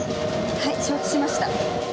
はい承知しました。